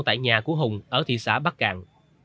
tại nhà của hùng ở thị xã bắc cạn